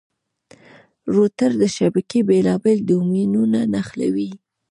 روټر د شبکې بېلابېل ډومېنونه نښلوي.